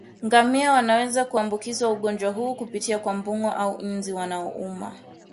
Ngamia wanaweza kuambukizwa ugonjwa huu kupitia kwa mbung'o au nzi wanaouma